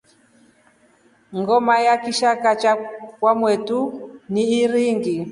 Ngoma ya kishakaa cha kwa motu ni iringi.